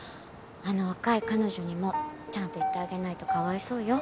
あの若い彼女にもちゃんと言ってあげないとかわいそうよ。